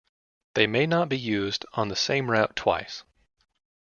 They may not be used on the same route twice.